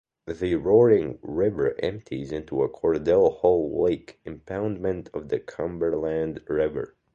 The Roaring River empties into the Cordell Hull Lake impoundment of the Cumberland River.